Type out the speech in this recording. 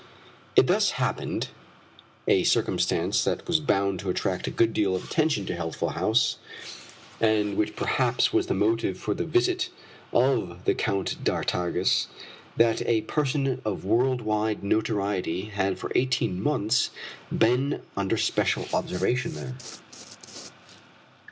It thus happened a circumstance that was bound to attract a good deal of attention to Healthful House, and which perhaps was the motive for the visit of the Count d'Artigas that a person of world wide notoriety had for eighteen months been under special observation there.